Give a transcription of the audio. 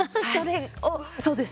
そうです。